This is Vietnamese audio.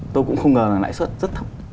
tôi cũng không ngờ là lãi suất rất thấp